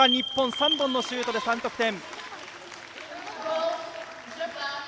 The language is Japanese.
３本のシュートで３得点。